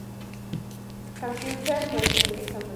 کمپيوټر مزدوري کموي.